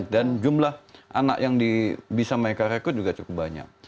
dan jumlah anak yang bisa mereka rekrut juga cukup banyak